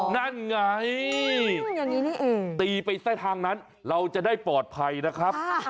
นั่นไงตีไปใต้ทางนั้นเราจะได้ปลอดภัยนะครับ